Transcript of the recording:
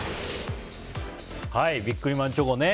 ビックリマンチョコね。